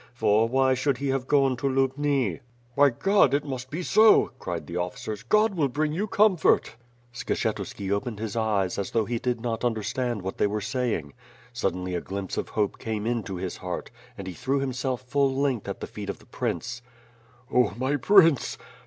For, why should he have gone to Lubni?" "By God! It must be so," cried the officers, "God will bring you comfort." Skslietuski opened his eyes, as though he did not under stand what they were saying. Suddenly a glimpse of hope came into his heart and he threw himself full length at the feet of the prince. "Oh, my Prince!